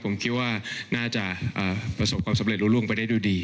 ผมคิดว่าน่าจะประสบความสำเร็จรู้ล่วงไปได้ด้วยดี